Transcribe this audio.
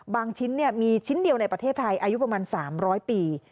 ชิ้นมีชิ้นเดียวในประเทศไทยอายุประมาณ๓๐๐ปี